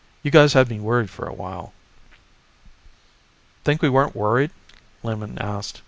"You guys had me worried for a while." "Think we weren't worried?" Lehman asked.